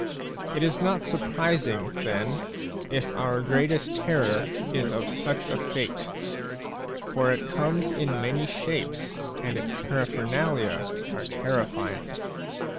a It is not surprising, then, if our greatest terror is of such a fate; for it comes in many shapes and its para phernalia are terrifying.